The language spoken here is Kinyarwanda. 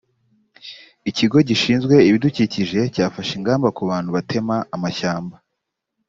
ikigo gishizwe ibidukikije cyafashe ingamba ku bantu batema amashyamba